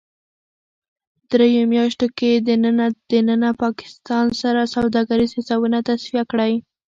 دریو میاشتو کې دننه ـ دننه پاکستان سره سوداګریز حسابونه تصفیه کړئ